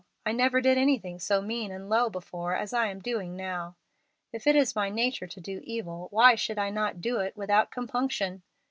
I never did anything so mean and low before as I am doing now. If it is my nature to do evil, why should I not do it without compunction?